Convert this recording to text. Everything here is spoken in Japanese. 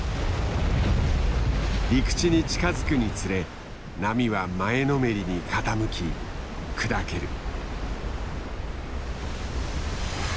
陸地に近づくにつれ波は前のめりに傾き砕ける。